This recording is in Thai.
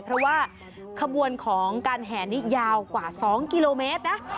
เพราะว่าขบวนของการแห่นี้ยาวกว่า๒กิโลเมตรนะ